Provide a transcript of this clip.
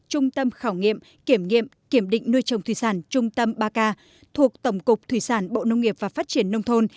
trung tâm khảo nghiệm kiểm nghiệm kiểm định nuôi trồng thủy sản trung tâm ba k thuộc tổng cục thủy sản bộ nông nghiệp và phát triển nông thôn